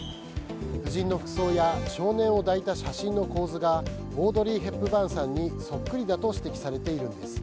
夫人の服装や少年を抱いた写真の構図がオードリー・ヘプバーンさんにそっくりだと指摘されているんです。